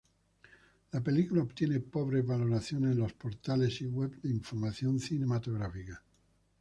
La película obtiene pobres valoraciones en los portales y webs de información cinematográfica.